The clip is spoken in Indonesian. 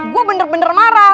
gue bener bener marah